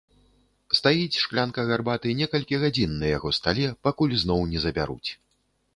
Стаіць шклянка гарбаты некалькі гадзін на яго стале, пакуль зноў не забяруць.